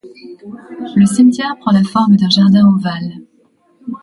Le cimetière prend la forme d'un jardin ovale.